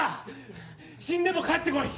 死んでも帰ってこい！